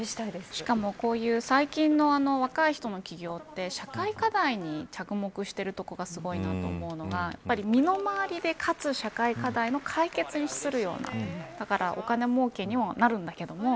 しかもこういう最近の若い人の企業って社会課題に着目しているところがすごいなと思うのが身の回りで、かつ社会課題も解決するようなだからお金もうけにもなるんだけども。